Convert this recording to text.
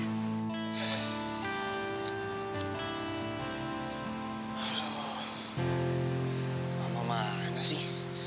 gak apa apa gak sih